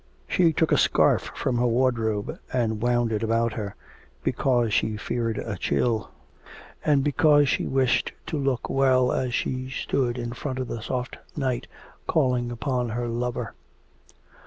She took a scarf from her wardrobe and wound it about her, because she feared a chill, and because she wished to look well as she stood in front of the soft night, calling upon her lover.